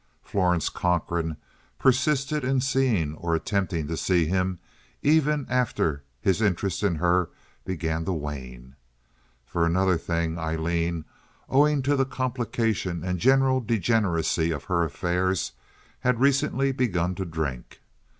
Florence Cochrane persisted in seeing or attempting to see him even after his interest in her began to wane. For another thing Aileen, owing to the complication and general degeneracy of her affairs, had recently begun to drink.